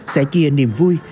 sẽ chia niềm vui